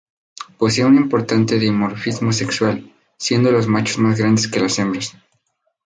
Posee un importante dimorfismo sexual, siendo los machos más grandes que las hembras.